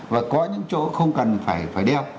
và có những chỗ không cần phải đeo